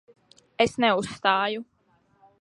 Es neuzstāju.